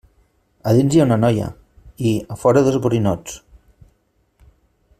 A dins hi ha una noia i, a fora dos borinots.